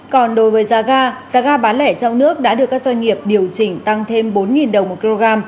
còn đối với giá ga giá ga bán lẻ trong nước đã được các doanh nghiệp điều chỉnh tăng thêm bốn đồng một kg